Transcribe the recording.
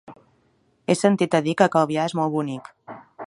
He sentit a dir que Calvià és molt bonic.